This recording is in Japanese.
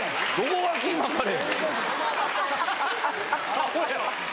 アホや！